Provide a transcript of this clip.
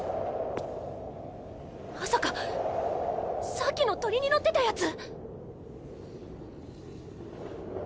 まさかさっきの鳥に乗ってたヤツ？